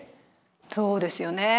そうですよね。